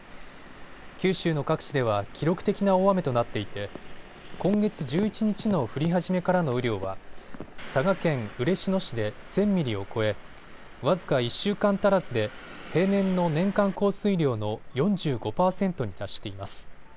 九州の各地では記録的な大雨となっていて今月１１日の降り始めからの雨量は佐賀県嬉野市で１０００ミリを超え僅か１週間足らずで平年の年間降水量の４５％に達しています。